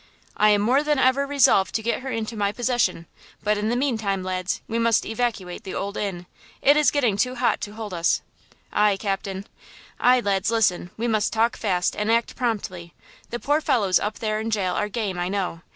"I am more than ever resolved to get her into my possession! But in the mean time, lads, we must evacuate the Old Inn! It is getting too hot to hold us!" "Aye, captain!" "Aye, lads, listen! We must talk fast and act promptly; the poor fellows up there in jail are game I know!